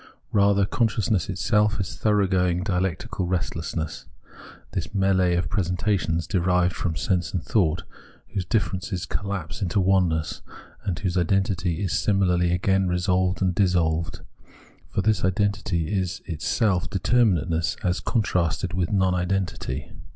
Kather consciousness itself is thoroughgoing dialectical restlessness, this m^lee of presentations derived from sense and thought, whose differences collapse into oneness, and whose identity is similarly again resolved and dissolved — for this identity is itself determinateness as contrasted with non identity.